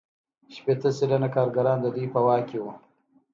شپیته سلنه کارګران د دوی په واک کې وو